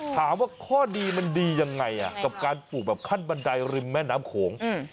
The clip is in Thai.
ถามว่าข้อดีมันดียังไงกับการปลูกแบบขั้นบันไดริมแม่น้ำโขง